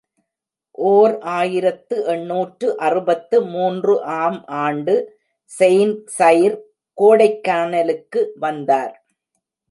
ஓர் ஆயிரத்து எண்ணூற்று அறுபத்து மூன்று ஆம் ஆண்டு செயிண்ட் சைர், கோடைக்கானலுக்கு வந்தார்.